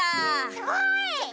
すごい！